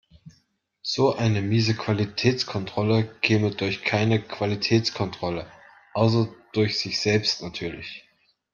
So eine miese Qualitätskontrolle käme durch keine Qualitätskontrolle, außer durch sich selbst natürlich.